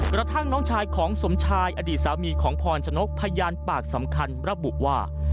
กระทั่งน้องชายของสมชายอดีตสามีของพรชนกพยานปากสำคัญระบุว่า